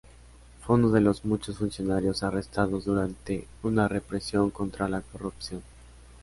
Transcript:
Fue uno de los muchos funcionarios arrestados durante una represión contra la corrupción.